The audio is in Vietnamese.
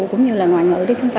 cũng như là ngoại ngữ để chúng ta